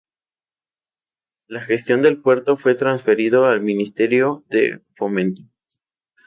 La gestión del puerto fue transferido al Ministerio de Fomento.